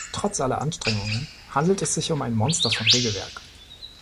Trotz aller Anstrengungen handelt es sich um ein Monster von Regelwerk.